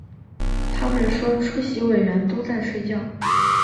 他们说出席委员都在睡觉